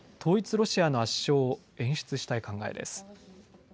ロシアの圧勝を演出したい考えです。